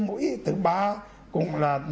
mũi thứ ba cũng là